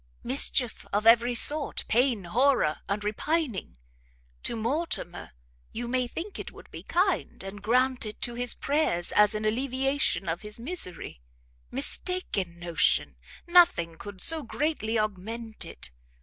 Mischief of every sort, pain, horror, and repining! To Mortimer you may think it would be kind, and grant it to his prayers, as an alleviation of his misery; mistaken notion! nothing could so greatly augment it.